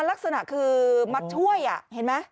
ลักษณะคือมาช่วยเห็นไหม